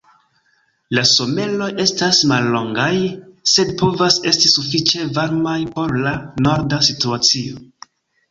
La someroj estas mallongaj, sed povas esti sufiĉe varmaj por la norda situacio.